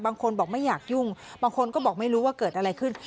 บางคนบอกไม่อยากยุ่งบางคนก็บอกไม่รู้ว่าเกิดอะไรขึ้น